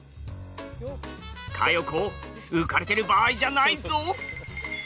佳代子浮かれてる場合じゃないぞ。